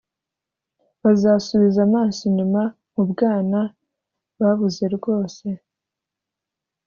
bazasubiza amaso inyuma mubwana babuze rwose.